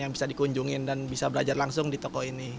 yang bisa dikunjungin dan bisa belajar langsung di toko ini